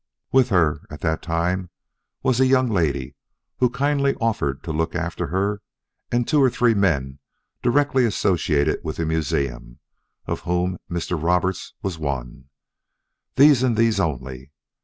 With her at the time was the young lady who had kindly offered to look after her and two or three men directly associated with the museum, of whom Mr. Roberts was one. These and these only.